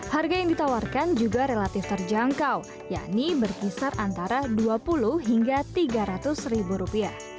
harga yang ditawarkan juga relatif terjangkau yakni berkisar antara rp dua puluh hingga rp tiga ratus